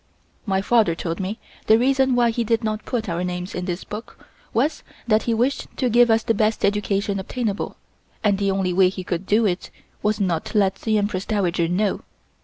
My father told me the reason why he did not put our names in this book was, that he wished to give us the best education obtainable, and the only way he could do it was not to let the Empress Dowager know.